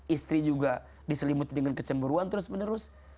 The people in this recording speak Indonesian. istri juga diselimuti dengan kecemburuan terus menerus